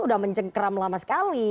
udah mencengkram lama sekali